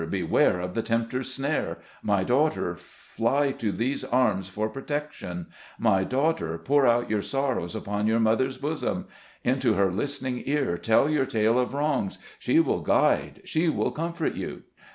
beware of the tempter's snare ! My daughter ! fly to these arms for protec tion ! My daughter ! pour out your sorrows upon your mother's bosom ; into her listening ear tell your tale of wrongs ; she will guide, she will com fort you